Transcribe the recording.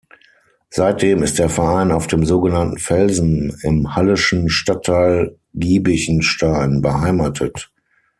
Seitdem ist der Verein auf dem sogenannten „Felsen“ im halleschen Stadtteil Giebichenstein beheimatet.